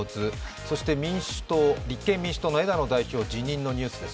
そして立憲民主党・枝野代表、辞任のニュースです。